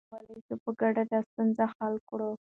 موږ کولای شو په ګډه دا ستونزه حل کړو.